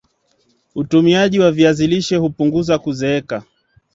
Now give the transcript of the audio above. utumiaji wa viazi lishe hupunguza kuzeeka